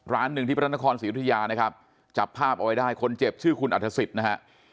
หนึ่งที่พระนครศรีอุทยานะครับจับภาพเอาไว้ได้คนเจ็บชื่อคุณอัฐศิษย์นะฮะ